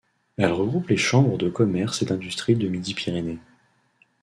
Elle regroupe les chambres de commerce et d'industrie de Midi-Pyrénées.